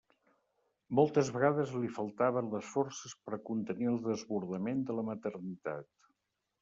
Moltes vegades li faltaven les forces per a contenir el desbordament de la maternitat.